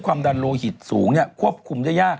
ความดันโลหิตสูงควบคุมได้ยาก